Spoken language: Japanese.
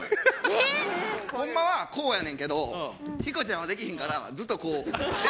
えっ！？ホンマはこうやねんけどヒコちゃんはできひんからずっとこう。